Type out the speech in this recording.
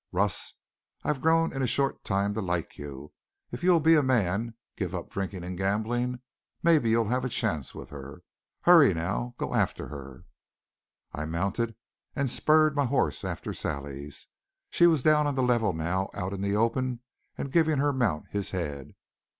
Russ, I've grown in a short time to like you. If you'll be a man give up drinking and gambling maybe you'll have a chance with her. Hurry now go after her." I mounted and spurred my horse after Sally's. She was down on the level now, out in the open, and giving her mount his head.